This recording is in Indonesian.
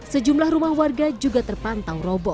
sejumlah rumah warga juga terpantau robo